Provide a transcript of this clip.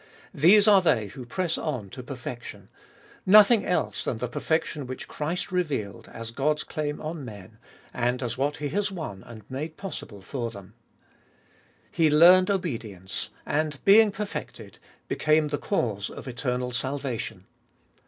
These are they who press on to perfection — nothing else than the perfection which Christ revealed, as God's claim on men, and as what He has won and made possible for them. He learned obedience, and being perfected, became the cause of eternal salvation.